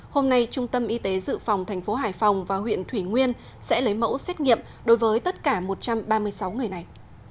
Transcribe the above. hôm nay trung tâm y tế dự phòng thành phố hải phòng và huyện thủy nguyên sẽ lấy mẫu xét nghiệm đối với tất cả một trăm ba mươi sáu người này